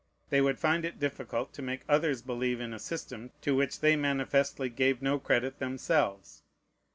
They would find it difficult to make others believe in a system to which they manifestly gave no credit themselves.